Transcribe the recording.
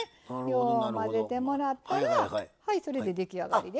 よう混ぜてもらったらはいそれで出来上がりです。